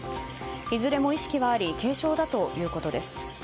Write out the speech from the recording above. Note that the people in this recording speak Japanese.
いずれも意識はあり軽症だということです。